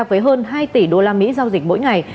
với hơn hai tỷ đô la mỹ giao dịch mỗi ngày